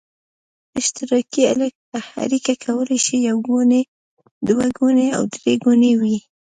اشتراکي اړیکه کولای شي یو ګونې، دوه ګونې او درې ګونې وي.